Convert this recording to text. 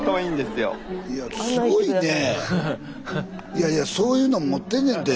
いやいやそういうのを持ってんねんて。